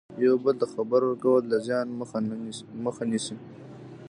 یو بل ته خبر ورکول د زیان مخه نیسي.